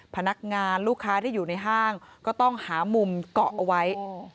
พนักงานลูกค้าที่อยู่ในห้างก็ต้องหามุมเกาะเอาไว้